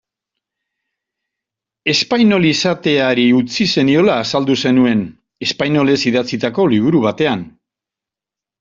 Espainol izateari utzi zeniola azaldu zenuen, espainolez idatzitako liburu batean.